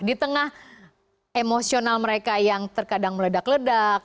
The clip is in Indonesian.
di tengah emosional mereka yang terkadang meledak ledak